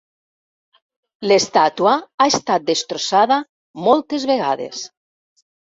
L'estàtua ha estat destrossada moltes vegades.